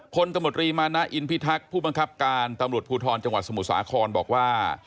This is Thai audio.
ตมตรีมานะอินพิทักษ์ผู้บังคับการตำรวจภูทรจังหวัดสมุทรสาครบอกว่า